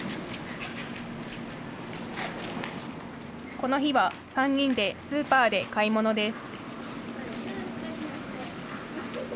この日は３人でスーパーで買い物です。